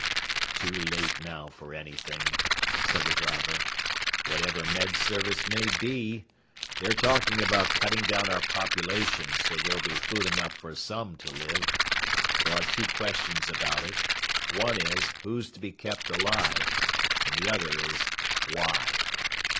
"Too late now for anything," said the driver. "Whatever Med Service may be! They're talking about cutting down our population so there'll be food enough for some to live. There are two questions about it. One is who's to be kept alive, and the other is why."